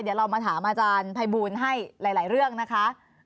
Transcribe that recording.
เดี๋ยวเรามาถามอาจารย์ภัยบูลให้หลายเรื่องนะคะ